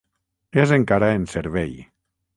És encara en servei.